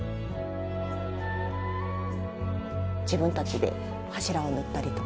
自分たちで柱を塗ったりとか。